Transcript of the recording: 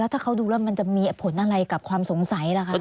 ถ้าเขาดูแล้วมันจะมีผลอะไรกับความสงสัยล่ะคะ